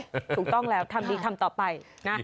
ถูกต้องแล้วทำต่อไป